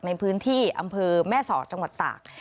ในพื้นที่อำเภอแม่สอดจังหวัดตาก